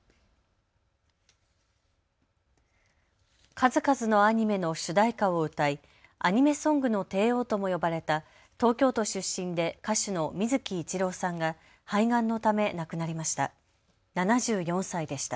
数々のアニメの主題歌を歌いアニメソングの帝王とも呼ばれた東京都出身で歌手の水木一郎さんが肺がんのため亡くなりました。